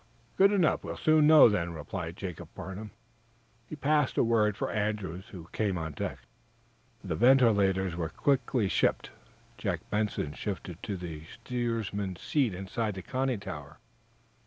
"Good enough! We'll soon know, then," replied Jacob Farnum. He passed the word for Andrews, who came on deck. The ventilators were quickly shipped. Jack Benson shifted to the steersman's seat inside the conning tower.